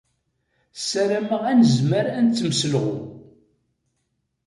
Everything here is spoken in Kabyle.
Ssarameɣ ad nezmer ad nettemselɣu.